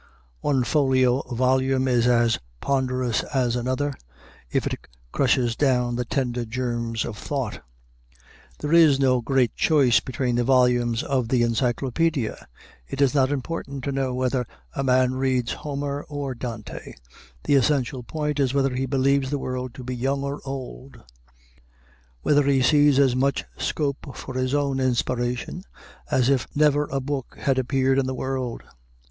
One folio volume is as ponderous as another, if it crushes down the tender germs of thought. There is no great choice between the volumes of the Encyclopædia. It is not important to know whether a man reads Homer or Dante: the essential point is whether he believes the world to be young or old; whether he sees as much scope for his own inspiration as if never a book had appeared in the world.